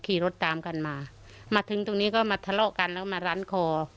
ขี่รถตามกันมามาถึงตรงนี้ก็มาทะเลาะกันแล้วก็มาร้านคอ